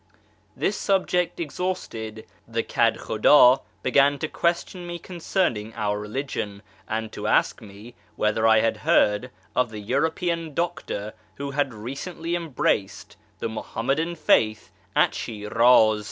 This subject exhausted, the Kedkhudd began to question me concerning our religion, and to ask me whether I had heard of the European doctor who had recently embraced the Muhammadan faith at Shiniz.